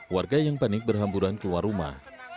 warga yang panik berhamburan keluar rumah